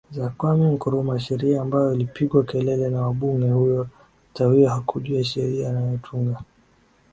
za Kwame Nkrumah sheria ambayo ilipigiwa kelele na wabungeHuyo Tawio hakujua sheria anayotunga